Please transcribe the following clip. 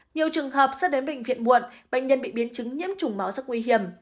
nhiều trường hợp sau đến bệnh viện muộn bệnh nhân bị biến chứng nhiễm trùng máu rất nguy hiểm